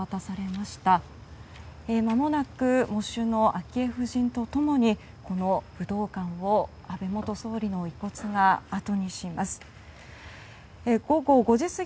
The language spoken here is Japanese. まもなく、喪主の昭恵夫人と共にこの武道館を安倍元総理の遺骨があとにします。